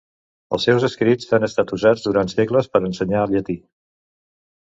Els seus escrits han estat usats durant segles per ensenyar llatí.